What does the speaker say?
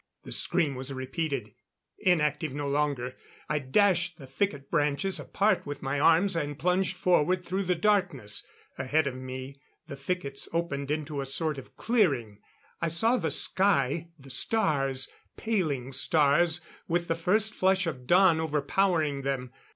The scream was repeated; inactive no longer, I dashed the thicket branches apart with my arms and plunged forward through the darkness. Ahead of me the thickets opened into a sort of clearing. I saw the sky, the stars paling stars with the first flush of dawn overpowering them.